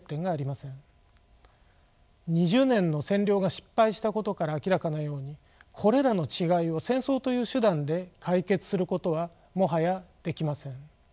２０年の占領が失敗したことから明らかなようにこれらの違いを戦争という手段で解決することはもはやできません。